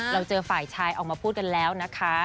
เราเจอฝ่ายชายออกมาพูดกันแล้วนะคะ